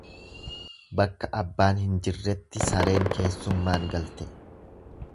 Bakka abbaan hin jirretti sareen keessummaan galte.